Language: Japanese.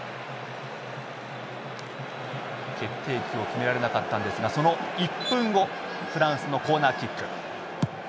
決定機を決められなかったんですがその１分後フランスのコーナーキック。